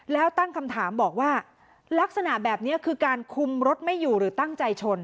แล้วตั้งคำถามบอกว่าลักษณะแบบนี้คือการคุมรถไม่อยู่หรือตั้งใจชน